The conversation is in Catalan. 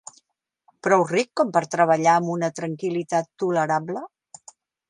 Prou ric com per treballar amb una tranquil·litat tolerable?